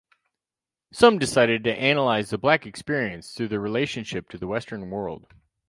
Some decided to analyze the Black experience through their relationship to the Western world.